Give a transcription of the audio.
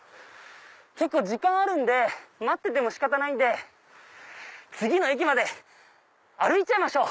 結構時間あるんで待ってても仕方ないんで次の駅まで歩いちゃいましょう！